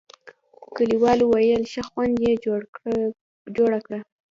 کلیوالو ویل: ښه خونه یې جوړه کړه.